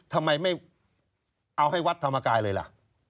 ทำไมไม่เอาให้วัดธรรมกายเลยล่ะ